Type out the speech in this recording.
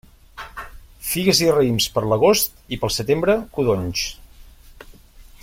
Figues i raïms per l'agost, i pel setembre, codonys.